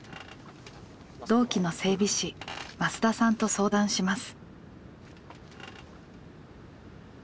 同期の整備士増田さんと相談します。